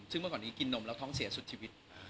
ซึ่งเมื่อก่อนนี้กินนมแล้วท้องเสียสุดชีวิต